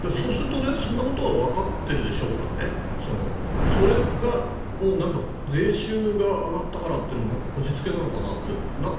そうするとそんなことはわかってるでしょうから税収が上がったからというのもこじつけなのかなと。